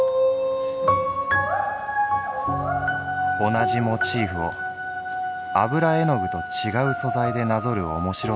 「同じモチーフを油絵具と違う素材でなぞる面白さは格別。